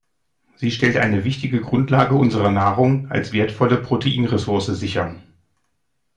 Sie stellt eine wichtige Grundlage unserer Nahrung als wertvolle Proteinressource sicher.